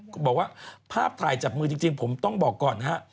ก็บอกว่าภาพถ่ายจับมือจริงผมต้องบอกก่อนนะฮะ